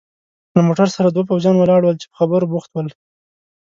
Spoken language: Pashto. له موټر سره دوه پوځیان ولاړ ول چې په خبرو بوخت ول.